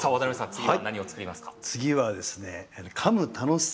次は何を作りますか？